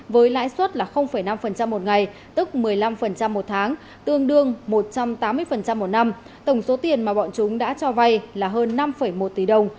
với lãi suất là năm một ngày tức một mươi năm một tháng tương đương một trăm tám mươi một năm tổng số tiền mà bọn chúng đã cho vay là hơn năm một tỷ đồng